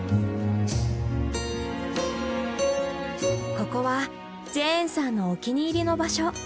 ここはジェーンさんのお気に入りの場所。